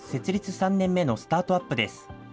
３年目のスタートアップです。